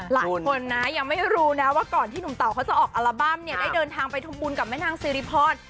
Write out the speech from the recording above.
หลายคนนะยังไม่รู้นะว่าก่อนที่หนุ่มเต่าเขาจะออกอัลบั้มเนี่ยได้เดินทางไปทำบุญกับแม่นางสิริพร